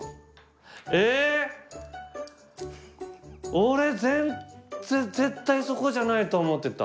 俺絶対そこじゃないと思ってた。